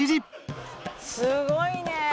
「すごいね！」